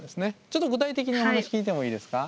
ちょっと具体的にお話聞いてもいいですか。